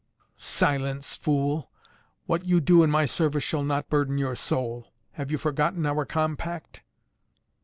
"Silence, fool! What you do in my service shall not burden your soul! Have you forgotten our compact?"